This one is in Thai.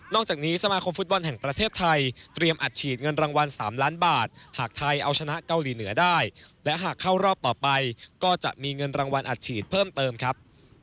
จากนี้สมาคมฟุตบอลแห่งประเทศไทยเตรียมอัดฉีดเงินรางวัล๓ล้านบาทหากไทยเอาชนะเกาหลีเหนือได้และหากเข้ารอบต่อไปก็จะมีเงินรางวัลอัดฉีดเพิ่มเติมครับ